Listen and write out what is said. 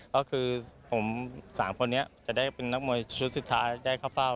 ก็คือผมสามคนนี้จะเป็อนักมวยชุดสุดท้ายได้เงือก